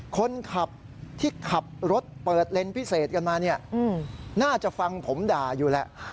คนขับที่ขับรถเปิดเลนส์พิเศษกันมาเนี่ยน่าจะฟังผมด่าอยู่แหละ